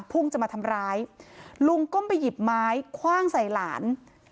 พุ่งจะมาทำร้ายลุงก้มไปหยิบไม้คว่างใส่หลาน